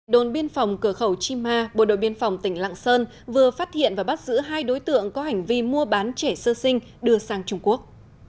đồn biên phòng cửa khẩu chi ma bộ đội biên phòng tỉnh lạng sơn vừa phát hiện và bắt giữ hai đối tượng có hành vi mua bán trẻ sơ sinh đưa sang trung quốc